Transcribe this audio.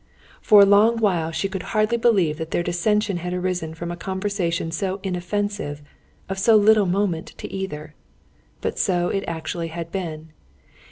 For a long while she could hardly believe that their dissension had arisen from a conversation so inoffensive, of so little moment to either. But so it actually had been.